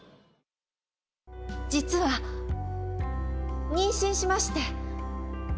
実は、妊娠しまして。